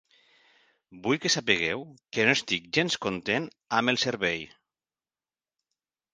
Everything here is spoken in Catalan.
Vull que sapigueu que no estic gens content amb el servei.